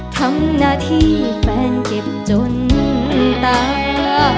ทำหน้าที่แฟนเก็บจนตา